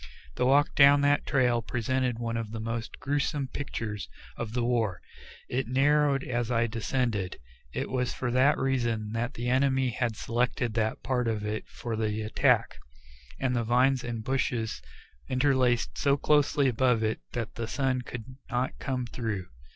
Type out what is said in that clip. The walk down that trail presented one of the most grewsome pictures of the war. It narrowed as it descended; it was for that reason the enemy had selected that part of it for the attack, and the vines and bushes interlaced so closely above it that the sun could not come through.